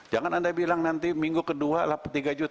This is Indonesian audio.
jangan anda bilang nanti minggu kedua delapan tiga juta